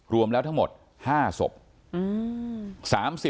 รวมแล้วทั้งหมดห้าศพอืม